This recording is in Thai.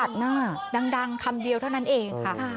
ดังคำเดียวเท่านั้นเองค่ะ